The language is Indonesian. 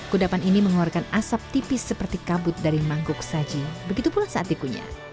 kudapan ini mengeluarkan asap tipis seperti kabut dari mangkuk saji begitu pula saat dikunya